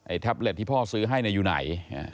ไอ้ทับเล็ตที่พ่อซื้อให้ในยุทิศ